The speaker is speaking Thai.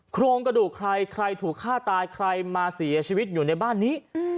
โครงกระดูกใครใครถูกฆ่าตายใครมาเสียชีวิตอยู่ในบ้านนี้